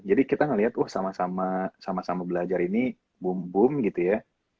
jadi kita ngeliat sama sama belajar ini boom boom gitu ya